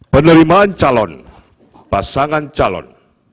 penerimaan calon pasangan calon